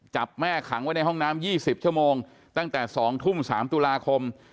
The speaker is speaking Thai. จับแม่ขังไว้ในห้องน้ำ๒๐ชั่วโมงตั้งแต่๒ทุ่ม๓ตุลาคม